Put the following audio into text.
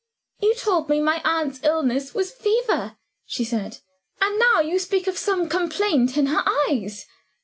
"You told me my aunt's illness was fever," she said "and now you speak of some complaint in her eyes.